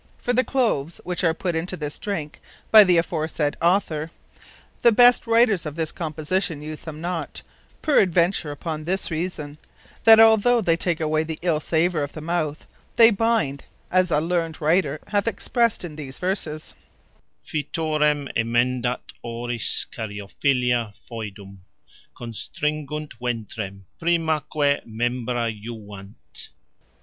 For the Cloves, which are put into this drinke, by the Author aforesaid, the best Writers of this Composition use them not; peradventure upon this reason: that although they take away the ill savour of the mouth, they binde; as a learned Writer hath exprest in these verses: Foetorem emendat oris Cariophilia foedum; Constringunt ventrem, primaque membra juvant.